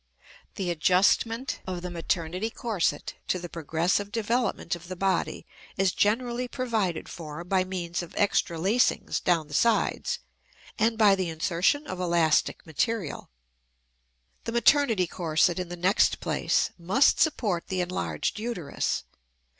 The adjustment of the maternity corset to the progressive development of the body is generally provided for by means of extra lacings down the sides, and by the insertion of elastic material. The maternity corset, in the next place, must support the enlarged uterus.